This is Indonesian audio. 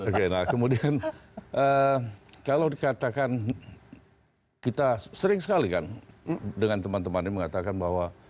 oke nah kemudian kalau dikatakan kita sering sekali kan dengan teman teman ini mengatakan bahwa